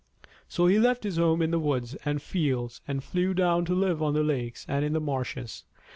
So he left his home in the woods and fields and flew down to live on the lakes and in the marshes.